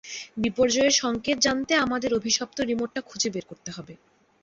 বিপর্যয়ের সংকেত জানতে আমাদের অভিশপ্ত রিমোটটা খুঁজে বের করতে হবে।